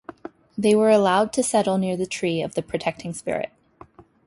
They were allowed to settle near the tree of the protecting spirit.